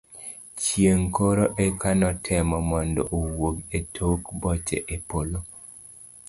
chieng' koro eka netemo mondo owuog e tok boche e polo